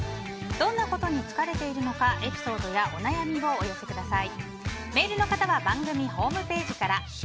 どんなことに疲れているのかエピソードやお悩みをお寄せください。